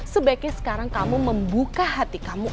sebaiknya sekarang kamu membuka hati kamu